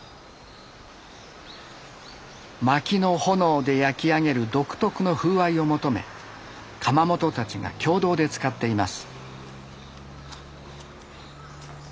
薪の炎で焼き上げる独特の風合いを求め窯元たちが共同で使っています。